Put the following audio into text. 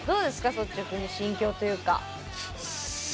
率直に心境というか。